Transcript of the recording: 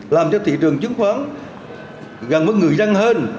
làm cho thị trường chứng khoán gần với người dân hơn